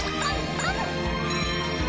パム！